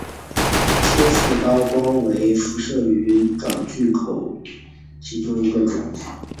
腹灯刀光鱼为辐鳍鱼纲巨口鱼目光器鱼科的其中一种。